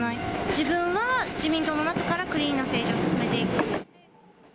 自分は自民党の中から、クリーンな政治を進めていく。